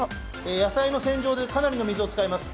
野菜の洗浄でかなりの水を使います。